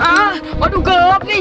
aduh gelap nih